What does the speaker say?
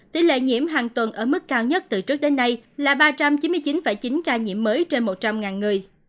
tỷ lệ nhiễm hàng tuần ở mức cao nhất từ trước đến nay là ba trăm chín mươi chín chín ca nhiễm mới trên một trăm linh người